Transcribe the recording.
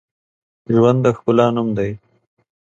ژوند د ښکلا نوم دی